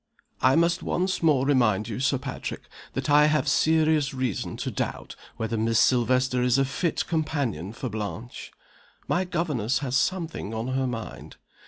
"I must once more remind you, Sir Patrick, that I have serious reason to doubt whether Miss Silvester is a fit companion for Blanche. My governess has something on her mind.